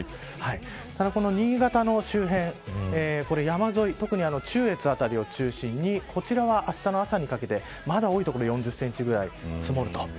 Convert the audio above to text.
ただ新潟の周辺山沿、特に中越辺りを中心にこちらはあしたの朝にかけてまだ多い所４０センチぐらい積もると。